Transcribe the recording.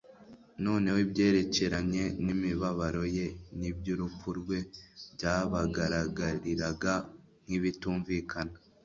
noneho ibyerekeranye n'imibabaro ye n'iby'urupfu rwe byabagaragariraga nk'ibitumvikana.